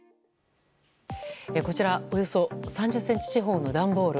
こちらおよそ３０ｃｍ四方の段ボール。